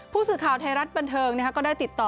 ผู้สื่อข่าวไทยรัฐบันเทิงก็ได้ติดต่อ